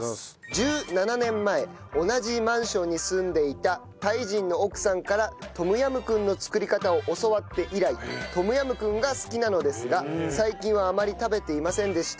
１７年前同じマンションに住んでいたタイ人の奥さんからトムヤムクンの作り方を教わって以来トムヤムクンが好きなのですが最近はあまり食べていませんでした。